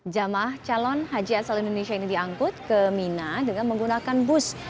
jamaah calon haji asal indonesia ini diangkut ke mina dengan menggunakan bus